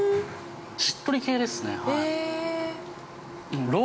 しっとり系ですね。